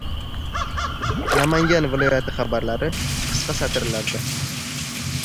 Namangan viloyati xabarlari – qisqa satrlarda